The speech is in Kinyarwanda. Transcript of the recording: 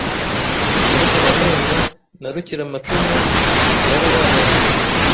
Nyirakaranena na Rukiramacumu barabanaga